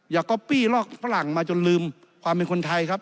ก๊อปปี้ลอกฝรั่งมาจนลืมความเป็นคนไทยครับ